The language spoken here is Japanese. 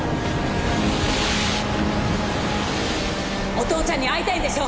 お父ちゃんに会いたいんでしょ？